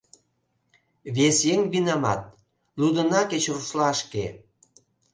Вес еҥ винамат — лудына кеч рушла шке